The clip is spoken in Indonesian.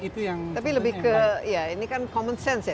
tapi lebih ke ya ini kan common sense ya